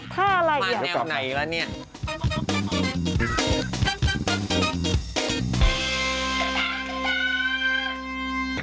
ท่าอะไรอย่างนี้แล้วกลับไปมาแนวไหนแล้วเนี่ย